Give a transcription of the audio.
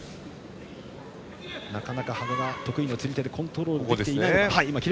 なかなか羽賀が得意の釣り手でコントロールできていない。